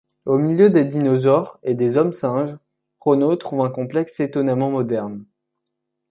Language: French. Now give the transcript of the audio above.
Au milieu des dinosaures et des Hommes-singes, Renaud trouve un complexe étonnamment moderne...